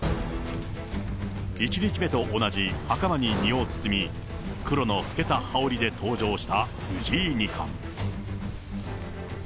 １日目と同じはかまに身を包み、黒の透けた羽織りで登場した藤井二冠。